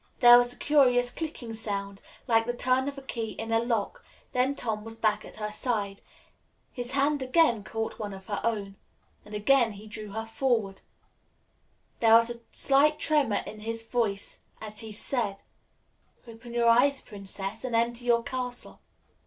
There was a curious clicking sound, like the turn of a key in a lock, then Tom was back at her side. His hand again caught one of her own. Again he drew her forward. There was a slight tremor in his voice as he said: "Open your eyes, Princess, and enter your castle."